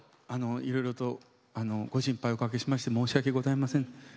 いろいろとご心配をおかけしまして申し訳ございません。